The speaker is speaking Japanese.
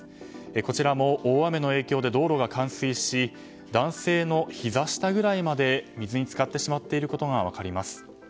こちらも大雨の影響で道路が冠水し男性のひざ下ぐらいまで水に浸かってしまっていることが分かります。